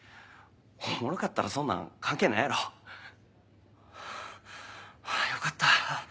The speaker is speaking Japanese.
おもろかったらそんなん関係ないやろ。よかった。